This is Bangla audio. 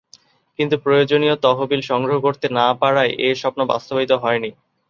কিন্তু প্রয়োজনীয় তহবিল সংগ্রহ করতে না পারায় এ স্বপ্ন বাস্তবায়িত হয় নি।